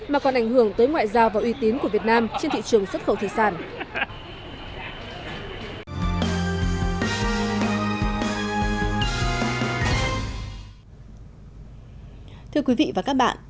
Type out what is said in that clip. mà còn ảnh hưởng tới ngoại giao và uy tín của việt nam trên thị trường xuất khẩu thủy sản